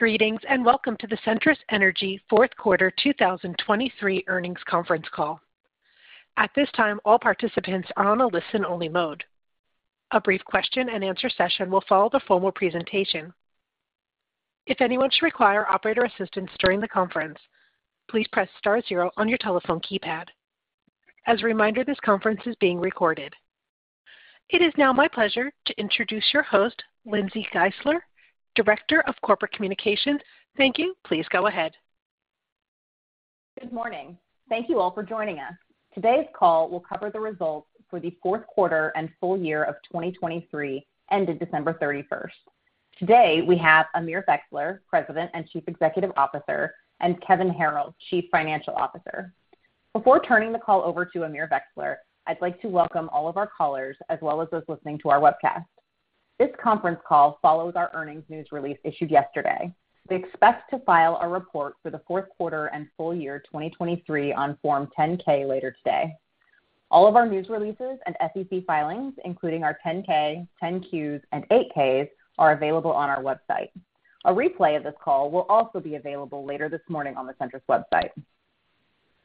Greetings and welcome to the Centrus Energy 4th quarter 2023 earnings conference call. At this time, all participants are on a listen-only mode. A brief question-and-answer session will follow the formal presentation. If anyone should require operator assistance during the conference, please press star 0 on your telephone keypad. As a reminder, this conference is being recorded. It is now my pleasure to introduce your host, Lindsey Geisler, Director of Corporate Communications. Thank you. Please go ahead. Good morning. Thank you all for joining us. Today's call will cover the results for the 4th quarter and full year of 2023, ended December 31st. Today we have Amir Vexler, President and Chief Executive Officer, and Kevin Harrill, Chief Financial Officer. Before turning the call over to Amir Vexler, I'd like to welcome all of our callers as well as those listening to our webcast. This conference call follows our earnings news release issued yesterday. We expect to file a report for the 4th quarter and full year 2023 on Form 10-K later today. All of our news releases and SEC filings, including our 10-Ks, 10-Qs, and 8-Ks, are available on our website. A replay of this call will also be available later this morning on the Centrus website.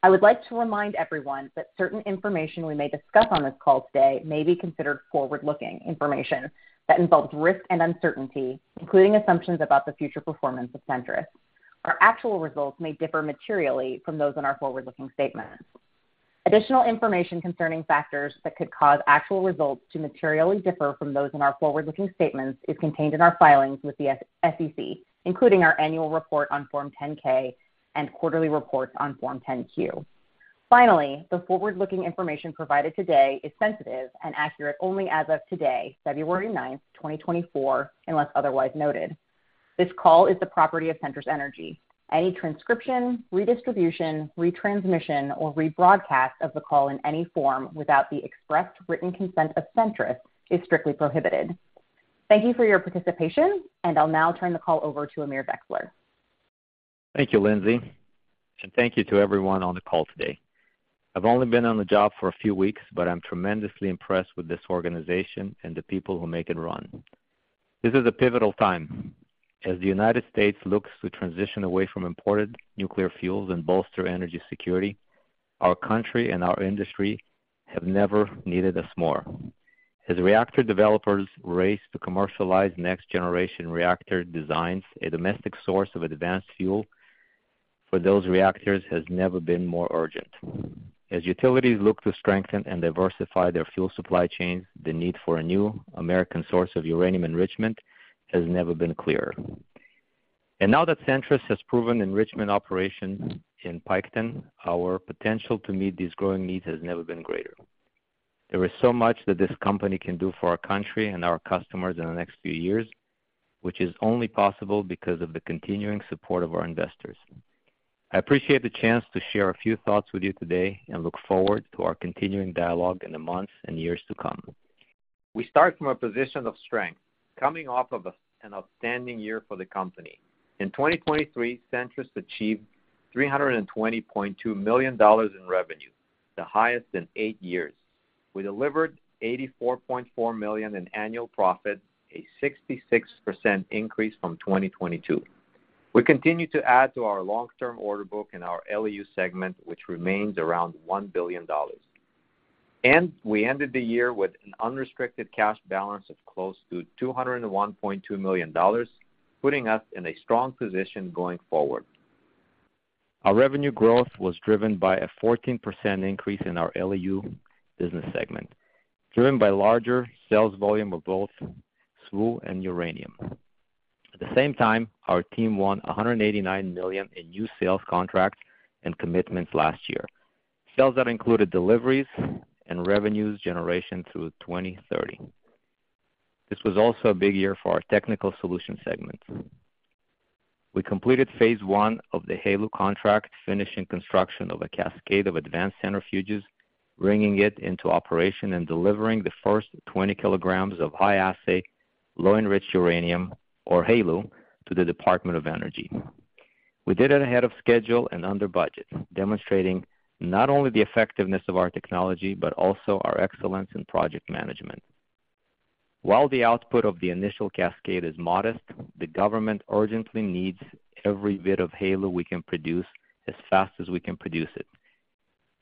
I would like to remind everyone that certain information we may discuss on this call today may be considered forward-looking information that involves risk and uncertainty, including assumptions about the future performance of Centrus. Our actual results may differ materially from those in our forward-looking statements. Additional information concerning factors that could cause actual results to materially differ from those in our forward-looking statements is contained in our filings with the SEC, including our annual report on Form 10-K and quarterly reports on Form 10-Q. Finally, the forward-looking information provided today is sensitive and accurate only as of today, February 9th, 2024, unless otherwise noted. This call is the property of Centrus Energy. Any transcription, redistribution, retransmission, or rebroadcast of the call in any form without the express written consent of Centrus is strictly prohibited. Thank you for your participation, and I'll now turn the call over to Amir Vexler. Thank you, Lindsey, and thank you to everyone on the call today. I've only been on the job for a few weeks, but I'm tremendously impressed with this organization and the people who make it run. This is a pivotal time. As the United States looks to transition away from imported nuclear fuels and bolster energy security, our country and our industry have never needed us more. As reactor developers race to commercialize next-generation reactor designs, a domestic source of advanced fuel for those reactors has never been more urgent. As utilities look to strengthen and diversify their fuel supply chains, the need for a new American source of uranium enrichment has never been clearer. And now that Centrus has proven enrichment operations in Piketon, our potential to meet these growing needs has never been greater. There is so much that this company can do for our country and our customers in the next few years, which is only possible because of the continuing support of our investors. I appreciate the chance to share a few thoughts with you today and look forward to our continuing dialogue in the months and years to come. We start from a position of strength, coming off of an outstanding year for the company. In 2023, Centrus achieved $320.2 million in revenue, the highest in eight years. We delivered $84.4 million in annual profit, a 66% increase from 2022. We continue to add to our long-term order book in our LEU segment, which remains around $1 billion. We ended the year with an unrestricted cash balance of close to $201.2 million, putting us in a strong position going forward. Our revenue growth was driven by a 14% increase in our LEU business segment, driven by larger sales volume of both SWU and uranium. At the same time, our team won $189 million in new sales contracts and commitments last year, sales that included deliveries and revenues generation through 2030. This was also a big year for our technical solutions segment. We completed phase one of the HALEU contract, finishing construction of a cascade of advanced centrifuges, bringing it into operation and delivering the first 20 kilograms of high-assay low-enriched uranium, or HALEU, to the Department of Energy. We did it ahead of schedule and under budget, demonstrating not only the effectiveness of our technology but also our excellence in project management. While the output of the initial cascade is modest, the government urgently needs every bit of HALEU we can produce as fast as we can produce it.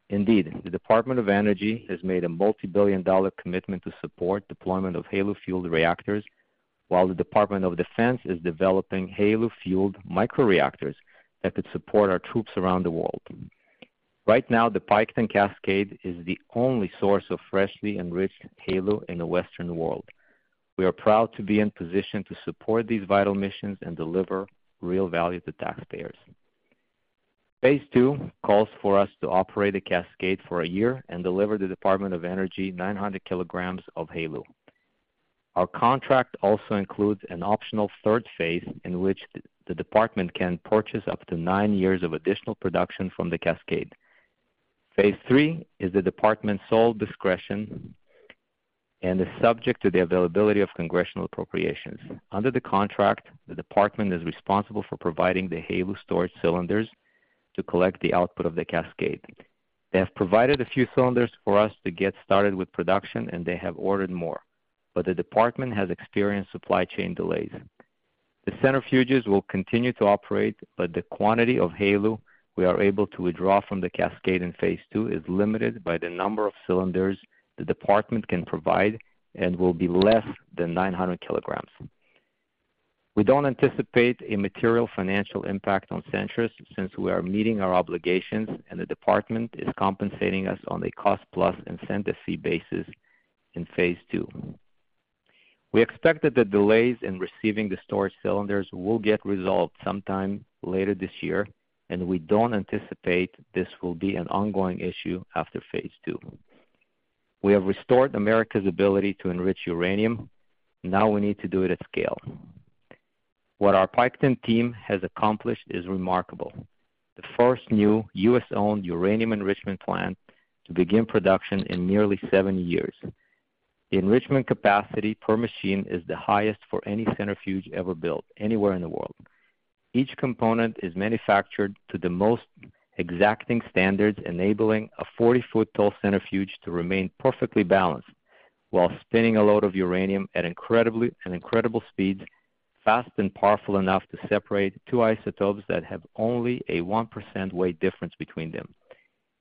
Indeed, the Department of Energy has made a $ multi-billion commitment to support deployment of HALEU-fueled reactors, while the Department of Defense is developing HALEU-fueled microreactors that could support our troops around the world. Right now, the Piketon cascade is the only source of freshly enriched HALEU in the Western world. We are proud to be in position to support these vital missions and deliver real value to taxpayers. Phase two calls for us to operate a cascade for a year and deliver the Department of Energy 900 kilograms of HALEU. Our contract also includes an optional third phase in which the department can purchase up to nine years of additional production from the cascade. Phase three is the department's sole discretion and is subject to the availability of congressional appropriations. Under the contract, the department is responsible for providing the HALEU storage cylinders to collect the output of the cascade. They have provided a few cylinders for us to get started with production, and they have ordered more, but the department has experienced supply chain delays. The centrifuges will continue to operate, but the quantity of HALEU we are able to withdraw from the cascade in phase two is limited by the number of cylinders the department can provide and will be less than 900 kilograms. We don't anticipate a material financial impact on Centrus since we are meeting our obligations, and the department is compensating us on a cost-plus incentive fee basis in phase two. We expect that the delays in receiving the storage cylinders will get resolved sometime later this year, and we don't anticipate this will be an ongoing issue after phase two. We have restored America's ability to enrich uranium. Now we need to do it at scale. What our Piketon team has accomplished is remarkable: the first new U.S.-owned uranium enrichment plant to begin production in nearly seven years. The enrichment capacity per machine is the highest for any centrifuge ever built anywhere in the world. Each component is manufactured to the most exacting standards, enabling a 40-foot-tall centrifuge to remain perfectly balanced while spinning a load of uranium at incredible speeds, fast and powerful enough to separate two isotopes that have only a 1% weight difference between them.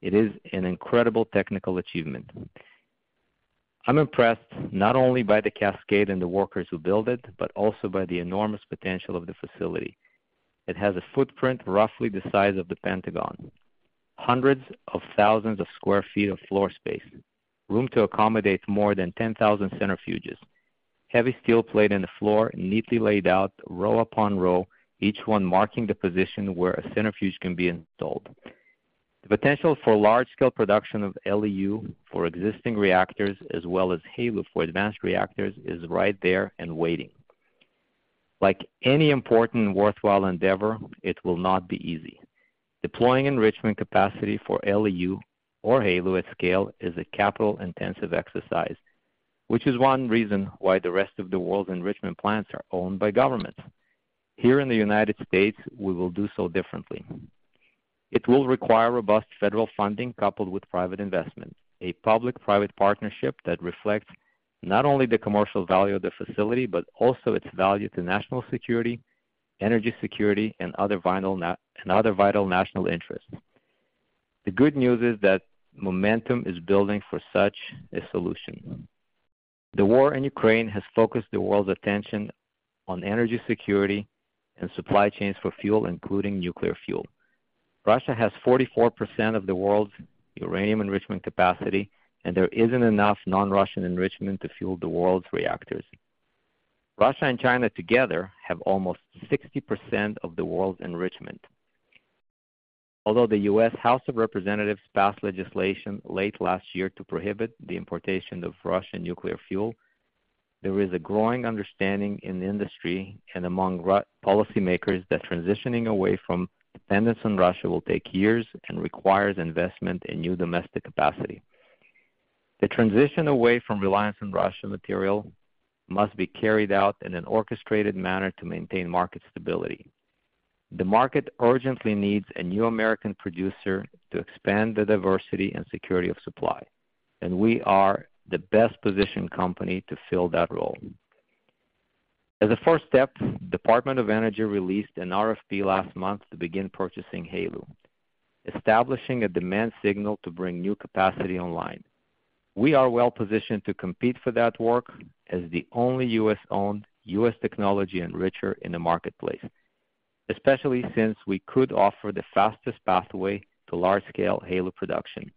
It is an incredible technical achievement. I'm impressed not only by the cascade and the workers who build it but also by the enormous potential of the facility. It has a footprint roughly the size of the Pentagon: hundreds of thousands of sq ft of floor space, room to accommodate more than 10,000 centrifuges, heavy steel plate in the floor neatly laid out row upon row, each one marking the position where a centrifuge can be installed. The potential for large-scale production of LEU for existing reactors as well as HALEU for advanced reactors is right there and waiting. Like any important and worthwhile endeavor, it will not be easy. Deploying enrichment capacity for LEU or HALEU at scale is a capital-intensive exercise, which is one reason why the rest of the world's enrichment plants are owned by governments. Here in the United States, we will do so differently. It will require robust federal funding coupled with private investment, a public-private partnership that reflects not only the commercial value of the facility but also its value to national security, energy security, and other vital national interests. The good news is that momentum is building for such a solution. The war in Ukraine has focused the world's attention on energy security and supply chains for fuel, including nuclear fuel. Russia has 44% of the world's uranium enrichment capacity, and there isn't enough non-Russian enrichment to fuel the world's reactors. Russia and China together have almost 60% of the world's enrichment. Although the U.S. House of Representatives passed legislation late last year to prohibit the importation of Russian nuclear fuel, there is a growing understanding in the industry and among policymakers that transitioning away from dependence on Russia will take years and requires investment in new domestic capacity. The transition away from reliance on Russian material must be carried out in an orchestrated manner to maintain market stability. The market urgently needs a new American producer to expand the diversity and security of supply, and we are the best positioned company to fill that role. As a first step, the Department of Energy released an RFP last month to begin purchasing HALEU, establishing a demand signal to bring new capacity online. We are well positioned to compete for that work as the only U.S.-owned, U.S.-technology enricher in the marketplace, especially since we could offer the fastest pathway to large-scale HALEU production.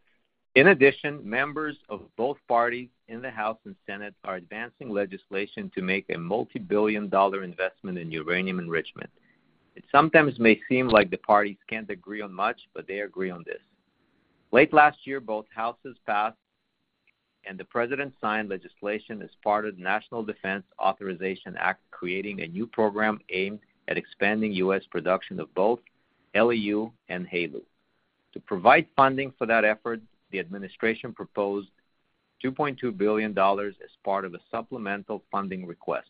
In addition, members of both parties in the House and Senate are advancing legislation to make a multi-billion dollar investment in uranium enrichment. It sometimes may seem like the parties can't agree on much, but they agree on this. Late last year, both houses passed and the president signed legislation as part of the National Defense Authorization Act, creating a new program aimed at expanding U.S. production of both LEU and HALEU. To provide funding for that effort, the administration proposed $2.2 billion as part of a supplemental funding request.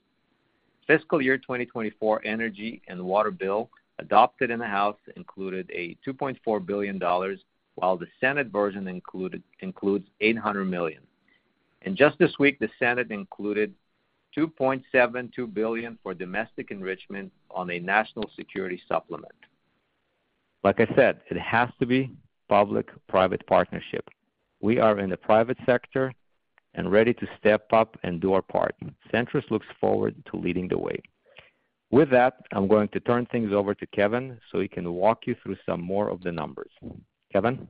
Fiscal year 2024 energy and water bill adopted in the House included a $2.4 billion, while the Senate version includes $800 million. Just this week, the Senate included $2.72 billion for domestic enrichment on a national security supplement. Like I said, it has to be public-private partnership. We are in the private sector and ready to step up and do our part. Centrus looks forward to leading the way. With that, I'm going to turn things over to Kevin so he can walk you through some more of the numbers. Kevin.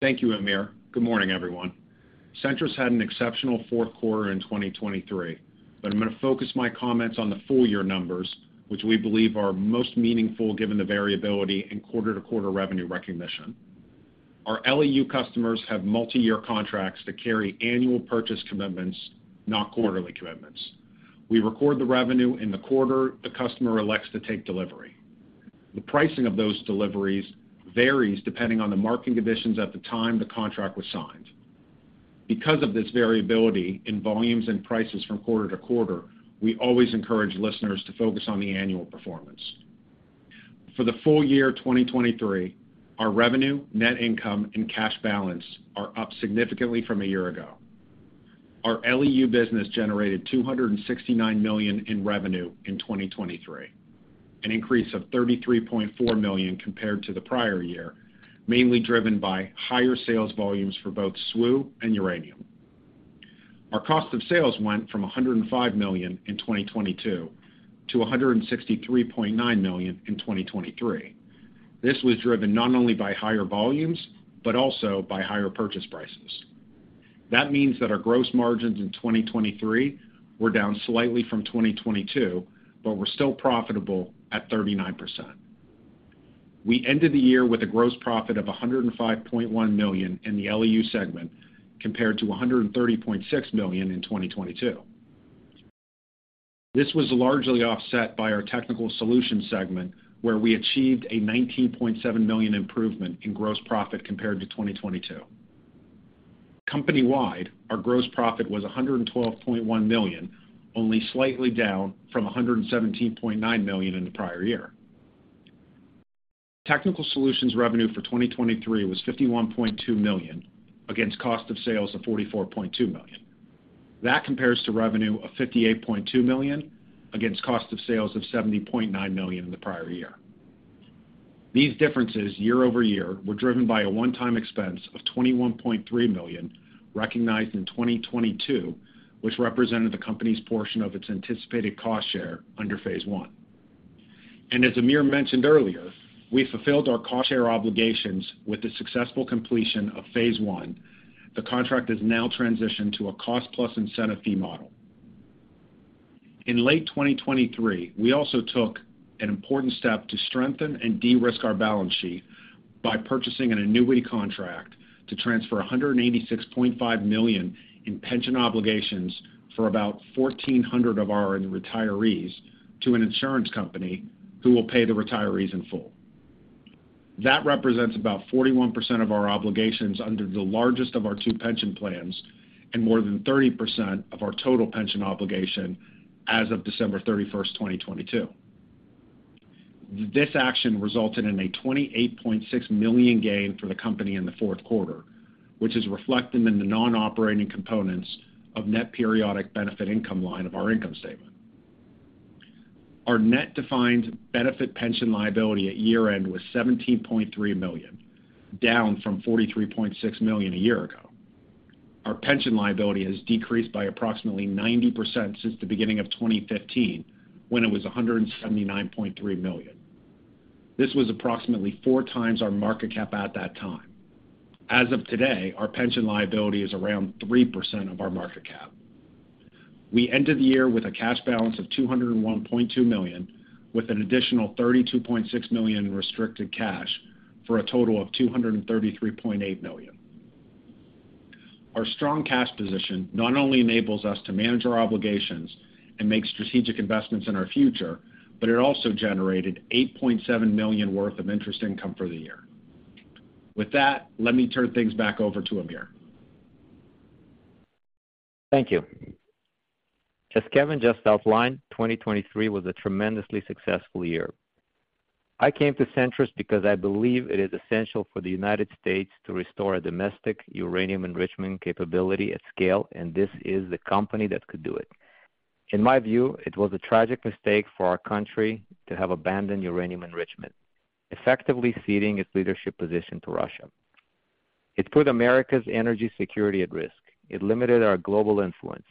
Thank you, Amir. Good morning, everyone. Centrus had an exceptional fourth quarter in 2023, but I'm going to focus my comments on the full-year numbers, which we believe are most meaningful given the variability and quarter-to-quarter revenue recognition. Our LEU customers have multi-year contracts to carry annual purchase commitments, not quarterly commitments. We record the revenue in the quarter the customer elects to take delivery. The pricing of those deliveries varies depending on the marketing conditions at the time the contract was signed. Because of this variability in volumes and prices from quarter to quarter, we always encourage listeners to focus on the annual performance. For the full year 2023, our revenue, net income, and cash balance are up significantly from a year ago. Our LEU business generated $269 million in revenue in 2023, an increase of $33.4 million compared to the prior year, mainly driven by higher sales volumes for both SWU and uranium. Our cost of sales went from $105 million in 2022 to $163.9 million in 2023. This was driven not only by higher volumes but also by higher purchase prices. That means that our gross margins in 2023 were down slightly from 2022 but were still profitable at 39%. We ended the year with a gross profit of $105.1 million in the LEU segment compared to $130.6 million in 2022. This was largely offset by our technical solution segment, where we achieved a $19.7 million improvement in gross profit compared to 2022. Company-wide, our gross profit was $112.1 million, only slightly down from $117.9 million in the prior year. Technical Solutions revenue for 2023 was $51.2 million against cost of sales of $44.2 million. That compares to revenue of $58.2 million against cost of sales of $70.9 million in the prior year. These differences, year-over-year, were driven by a one-time expense of $21.3 million recognized in 2022, which represented the company's portion of its anticipated cost share under phase one. As Amir mentioned earlier, we fulfilled our cost share obligations with the successful completion of phase one. The contract has now transitioned to a cost-plus incentive fee model. In late 2023, we also took an important step to strengthen and de-risk our balance sheet by purchasing an annuity contract to transfer $186.5 million in pension obligations for about 1,400 of our retirees to an insurance company who will pay the retirees in full. That represents about 41% of our obligations under the largest of our two pension plans and more than 30% of our total pension obligation as of December 31st, 2022. This action resulted in a $28.6 million gain for the company in the fourth quarter, which is reflected in the non-operating components of net periodic benefit income line of our income statement. Our net defined benefit pension liability at year-end was $17.3 million, down from $43.6 million a year ago. Our pension liability has decreased by approximately 90% since the beginning of 2015, when it was $179.3 million. This was approximately four times our market cap at that time. As of today, our pension liability is around 3% of our market cap. We ended the year with a cash balance of $201.2 million, with an additional $32.6 million in restricted cash for a total of $233.8 million. Our strong cash position not only enables us to manage our obligations and make strategic investments in our future, but it also generated $8.7 million worth of interest income for the year. With that, let me turn things back over to Amir. Thank you. As Kevin just outlined, 2023 was a tremendously successful year. I came to Centrus because I believe it is essential for the United States to restore a domestic uranium enrichment capability at scale, and this is the company that could do it. In my view, it was a tragic mistake for our country to have abandoned uranium enrichment, effectively ceding its leadership position to Russia. It put America's energy security at risk. It limited our global influence.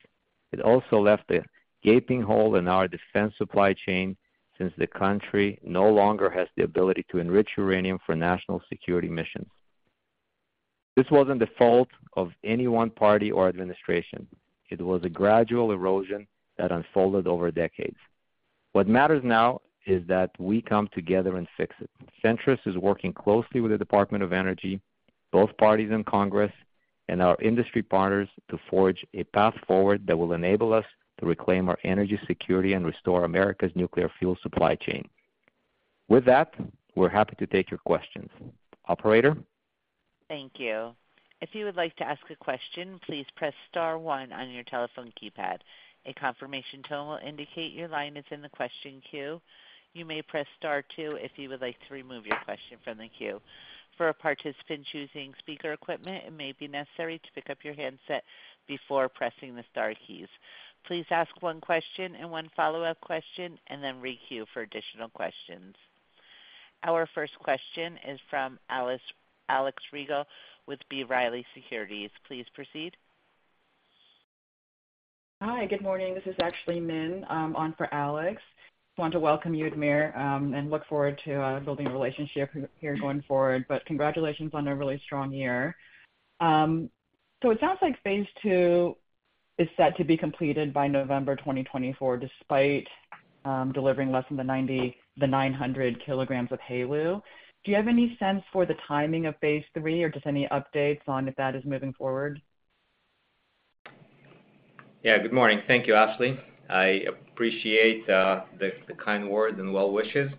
It also left a gaping hole in our defense supply chain since the country no longer has the ability to enrich uranium for national security missions. This wasn't the fault of any one party or administration. It was a gradual erosion that unfolded over decades. What matters now is that we come together and fix it. Centrus is working closely with the Department of Energy, both parties in Congress, and our industry partners to forge a path forward that will enable us to reclaim our energy security and restore America's nuclear fuel supply chain. With that, we're happy to take your questions. Operator. Thank you. If you would like to ask a question, please press star one on your telephone keypad. A confirmation tone will indicate your line is in the question queue. You may press star two if you would like to remove your question from the queue. For participants choosing speaker equipment, it may be necessary to pick up your handset before pressing the star keys. Please ask one question and one follow-up question, and then re-queue for additional questions. Our first question is from Alex Rygiel with B. Riley Securities. Please proceed. Hi. Good morning. This is Actually, Min on for Alex. Want to welcome you, Amir, and look forward to building a relationship here going forward. But congratulations on a really strong year. So it sounds like phase two is set to be completed by November 2024 despite delivering less than the 900 kilograms of HALEU. Do you have any sense for the timing of phase three, or just any updates on if that is moving forward? Yeah. Good morning. Thank you, Ashley. I appreciate the kind words and well wishes.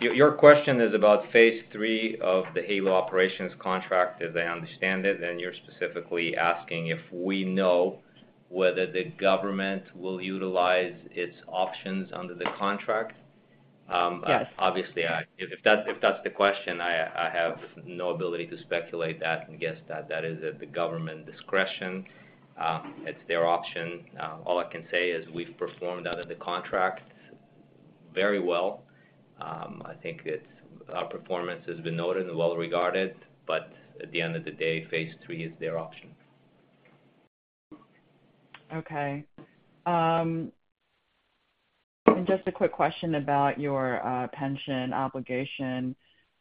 Your question is about phase three of the HALEU operations contract, as I understand it, and you're specifically asking if we know whether the government will utilize its options under the contract. Obviously, if that's the question, I have no ability to speculate that and guess that. That is at the government discretion. It's their option. All I can say is we've performed under the contract very well. I think our performance has been noted and well regarded. But at the end of the day, phase three is their option. Okay. Just a quick question about your pension obligation.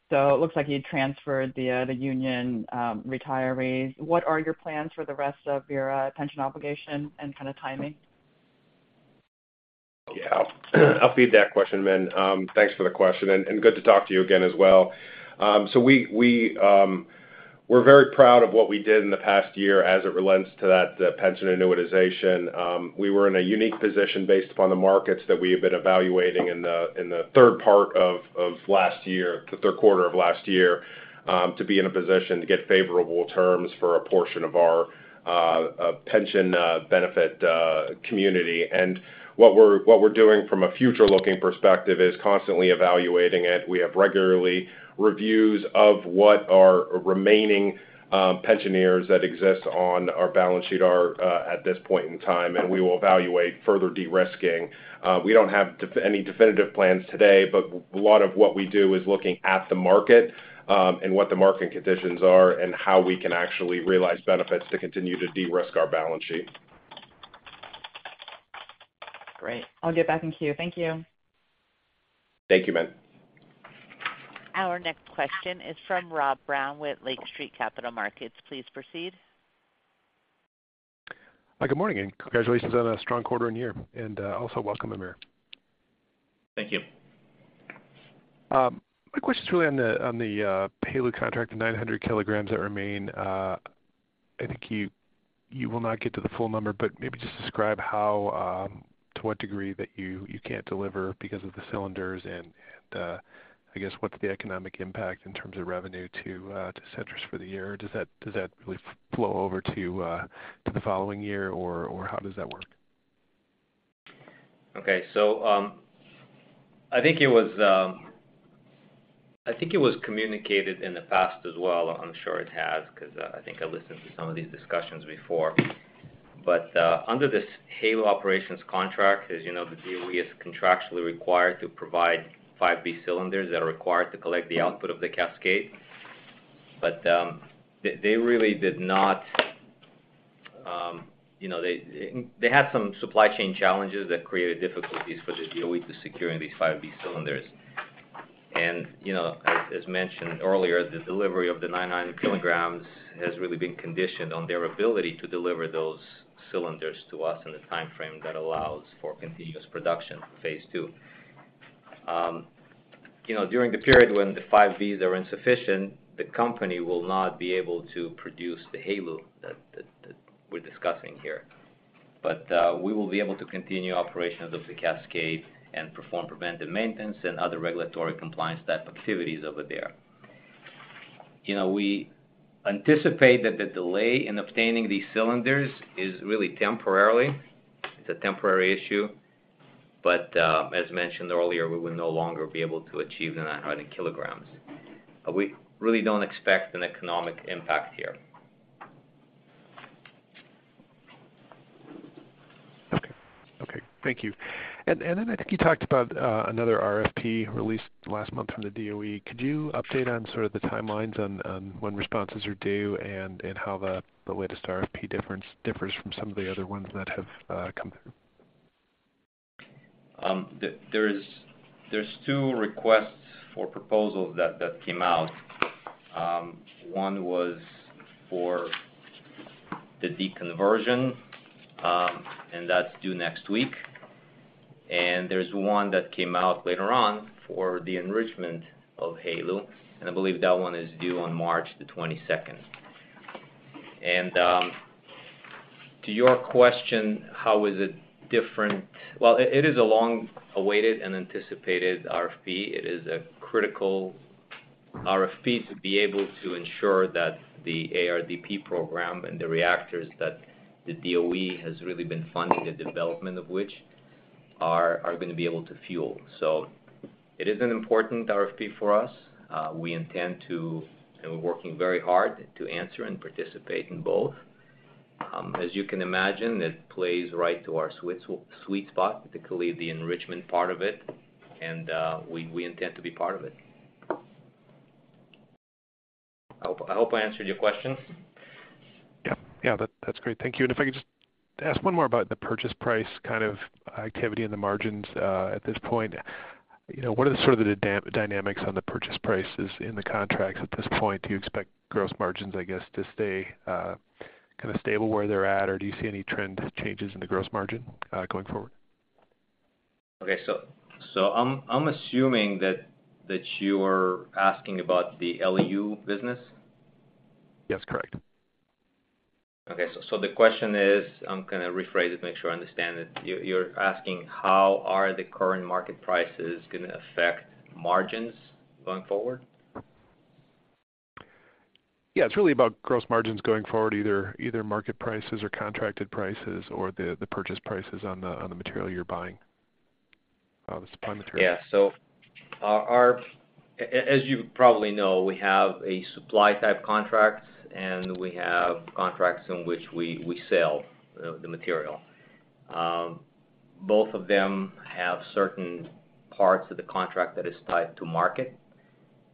It looks like you transferred the union retirees. What are your plans for the rest of your pension obligation and kind of timing? Yeah. I'll field that question, Min. Thanks for the question, and good to talk to you again as well. So we're very proud of what we did in the past year as it relates to that pension annuitization. We were in a unique position based upon the markets that we had been evaluating in the third part of last year, the third quarter of last year, to be in a position to get favorable terms for a portion of our pension benefit community. And what we're doing from a future-looking perspective is constantly evaluating it. We have regular reviews of what our remaining pensioners that exist on our balance sheet are at this point in time, and we will evaluate further de-risking. We don't have any definitive plans today, but a lot of what we do is looking at the market and what the market conditions are and how we can actually realize benefits to continue to de-risk our balance sheet. Great. I'll get back in queue. Thank you. Thank you, Min. Our next question is from Rob Brown with Lake Street Capital Markets. Please proceed. Good morning and congratulations on a strong quarter and year. Also welcome, Amir. Thank you. My question's really on the HALEU contract, the 900 kilograms that remain. I think you will not get to the full number, but maybe just describe to what degree that you can't deliver because of the cylinders and, I guess, what's the economic impact in terms of revenue to Centrus for the year. Does that really flow over to the following year, or how does that work? Okay. So I think it was communicated in the past as well. I'm sure it has because I think I listened to some of these discussions before. But under this HALEU operations contract, as you know, the DOE is contractually required to provide 5B cylinders that are required to collect the output of the cascade. But they really did not, they had some supply chain challenges that created difficulties for the DOE to secure these 5B cylinders. And as mentioned earlier, the delivery of the 900 kilograms has really been conditioned on their ability to deliver those cylinders to us in the timeframe that allows for continuous production for phase two. During the period when the 5Bs are insufficient, the company will not be able to produce the HALEU that we're discussing here. We will be able to continue operations of the cascade and perform preventive maintenance and other regulatory compliance-type activities over there. We anticipate that the delay in obtaining these cylinders is really temporarily. It's a temporary issue. But as mentioned earlier, we will no longer be able to achieve the 900 kilograms. We really don't expect an economic impact here. Okay. Okay. Thank you. And then I think you talked about another RFP released last month from the DOE. Could you update on sort of the timelines on when responses are due and how the latest RFP differs from some of the other ones that have come through? There's two requests for proposals that came out. One was for the deconversion, and that's due next week. And there's one that came out later on for the enrichment of HALEU, and I believe that one is due on March the 22nd. And to your question, how is it different, well, it is a long-awaited and anticipated RFP. It is a critical RFP to be able to ensure that the ARDP program and the reactors that the DOE has really been funding, the development of which, are going to be able to fuel. So it is an important RFP for us. We intend to and we're working very hard to answer and participate in both. As you can imagine, it plays right to our sweet spot, particularly the enrichment part of it, and we intend to be part of it. I hope I answered your question. Yeah. Yeah. That's great. Thank you. And if I could just ask one more about the purchase price kind of activity and the margins at this point. What are sort of the dynamics on the purchase prices in the contracts at this point? Do you expect gross margins, I guess, to stay kind of stable where they're at, or do you see any trend changes in the gross margin going forward? Okay. I'm assuming that you are asking about the LEU business? Yes. Correct. Okay. So the question is I'm going to rephrase it to make sure I understand it. You're asking how are the current market prices going to affect margins going forward? Yeah. It's really about gross margins going forward, either market prices or contracted prices or the purchase prices on the material you're buying, the supply material. Yeah. So as you probably know, we have a supply-type contract, and we have contracts in which we sell the material. Both of them have certain parts of the contract that are tied to market,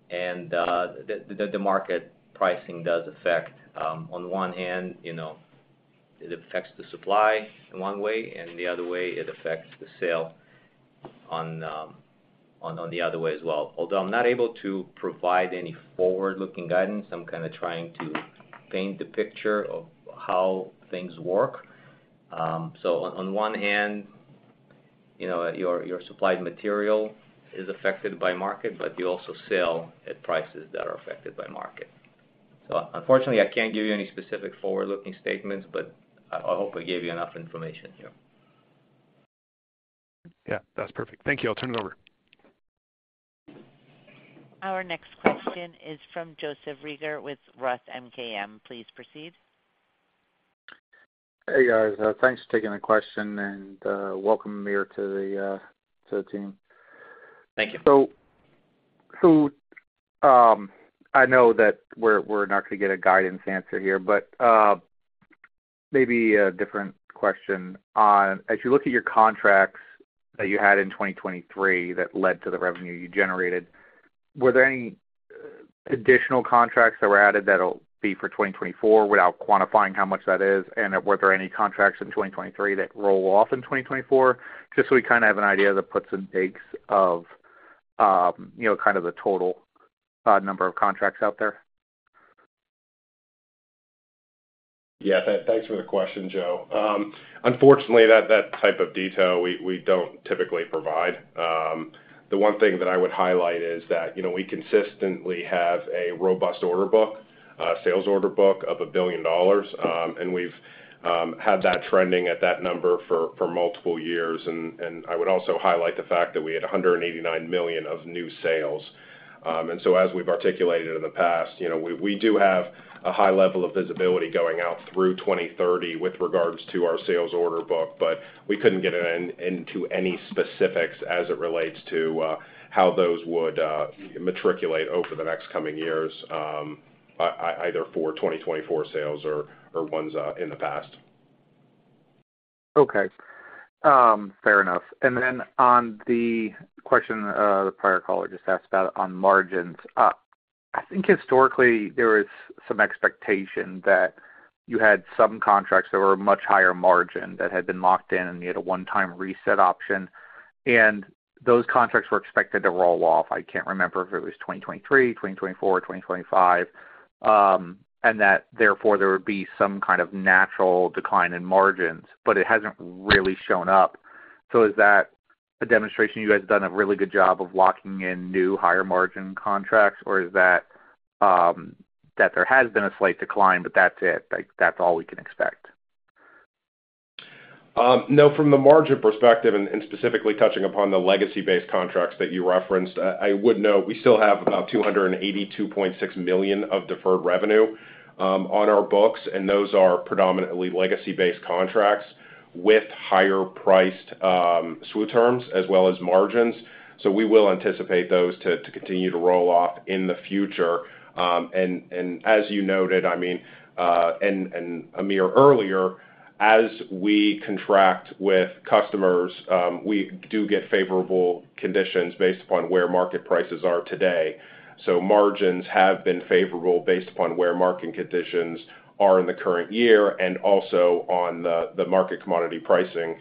and the market pricing does affect. On one hand, it affects the supply in one way, and the other way, it affects the sale on the other way as well. Although I'm not able to provide any forward-looking guidance, I'm kind of trying to paint the picture of how things work. So on one hand, your supplied material is affected by market, but you also sell at prices that are affected by market. So unfortunately, I can't give you any specific forward-looking statements, but I hope I gave you enough information here. Yeah. That's perfect. Thank you. I'll turn it over. Our next question is from Joseph Reagor with Roth MKM. Please proceed. Hey, guys. Thanks for taking the question, and welcome, Amir, to the team. Thank you. So I know that we're not going to get a guidance answer here, but maybe a different question. As you look at your contracts that you had in 2023 that led to the revenue you generated, were there any additional contracts that were added that'll be for 2024 without quantifying how much that is? And were there any contracts in 2023 that roll off in 2024? Just so we kind of have an idea that puts and takes of kind of the total number of contracts out there. Yeah. Thanks for the question, Joe. Unfortunately, that type of detail, we don't typically provide. The one thing that I would highlight is that we consistently have a robust order book, a sales order book of $1 billion, and we've had that trending at that number for multiple years. I would also highlight the fact that we had $189 million of new sales. So as we've articulated in the past, we do have a high level of visibility going out through 2030 with regards to our sales order book, but we couldn't get into any specifics as it relates to how those would materialize over the next coming years, either for 2024 sales or ones in the past. Okay. Fair enough. Then on the question the prior caller just asked about on margins, I think historically, there was some expectation that you had some contracts that were a much higher margin that had been locked in, and you had a one-time reset option. And those contracts were expected to roll off. I can't remember if it was 2023, 2024, 2025, and that therefore there would be some kind of natural decline in margins, but it hasn't really shown up. So is that a demonstration? You guys have done a really good job of locking in new higher-margin contracts, or is that there has been a slight decline, but that's it? That's all we can expect? No. From the margin perspective and specifically touching upon the legacy-based contracts that you referenced, I would note we still have about $282.6 million of deferred revenue on our books, and those are predominantly legacy-based contracts with higher-priced SWU terms as well as margins. So we will anticipate those to continue to roll off in the future. And as you noted, I mean, and Amir earlier, as we contract with customers, we do get favorable conditions based upon where market prices are today. So margins have been favorable based upon where market conditions are in the current year and also on the market commodity pricing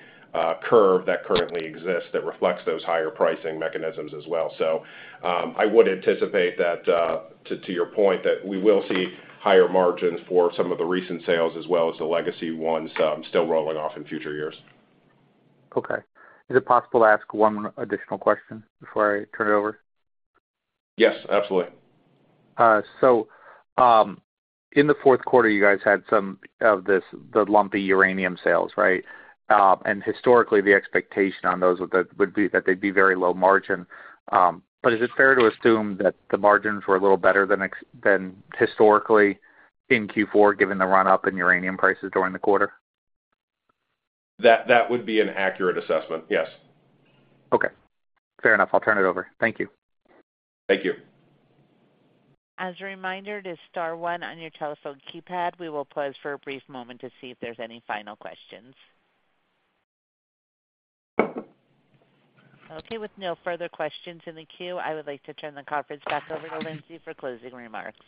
curve that currently exists that reflects those higher pricing mechanisms as well. So I would anticipate that, to your point, that we will see higher margins for some of the recent sales as well as the legacy ones still rolling off in future years. Okay. Is it possible to ask one additional question before I turn it over? Yes. Absolutely. So in the fourth quarter, you guys had some of the lumpy uranium sales, right? And historically, the expectation on those would be that they'd be very low margin. But is it fair to assume that the margins were a little better than historically in Q4 given the run-up in uranium prices during the quarter? That would be an accurate assessment. Yes. Okay. Fair enough. I'll turn it over. Thank you. Thank you. As a reminder, to star one on your telephone keypad, we will pause for a brief moment to see if there's any final questions. Okay. With no further questions in the queue, I would like to turn the conference back over to Lindsey for closing remarks.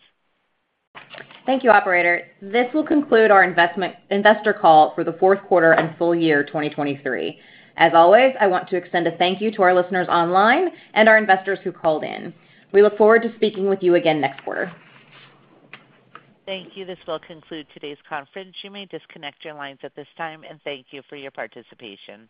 Thank you, operator. This will conclude our investor call for the fourth quarter and full year 2023. As always, I want to extend a thank you to our listeners online and our investors who called in. We look forward to speaking with you again next quarter. Thank you. This will conclude today's conference. You may disconnect your lines at this time, and thank you for your participation.